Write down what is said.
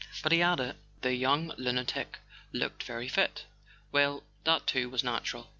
But he added: "The young lunatic looked very fit." Well: that too was natural.